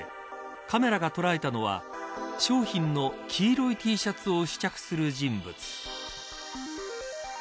カメラが捉えたのは商品の黄色いＴシャツを試着する人物。